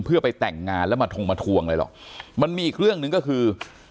เพื่อไปแต่งงานแล้วมาทงมาทวงอะไรหรอกมันมีอีกเรื่องหนึ่งก็คือ